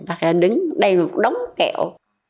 bác đã đứng đây đống kẹo